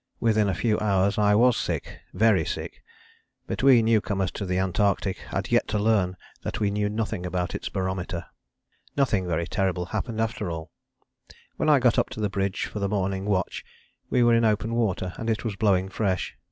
Within a few hours I was sick, very sick; but we newcomers to the Antarctic had yet to learn that we knew nothing about its barometer. Nothing very terrible happened after all. When I got up to the bridge for the morning watch we were in open water and it was blowing fresh.